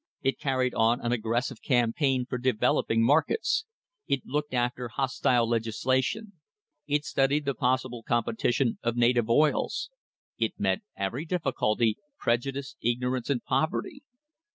It carried on an aggressive campaign for developing markets ; it looked after hostile legislation; it studied the possi ble competition of native oils; it met every difficulty preju dice, ignorance, poverty.